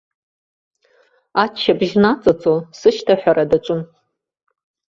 Аччабжь наҵаҵо, сышьҭаҳәара даҿын.